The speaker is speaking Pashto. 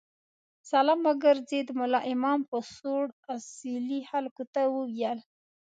سلام وګرځېد، ملا امام په سوړ اسوېلي خلکو ته وویل.